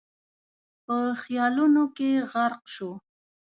په خيالونو کې غرق شو.